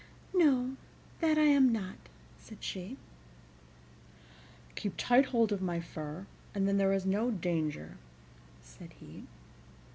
"No, that I am not," said she. "Keep tight hold of my fur, and then there is no danger," said he.